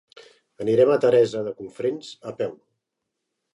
Anirem a Teresa de Cofrents a peu.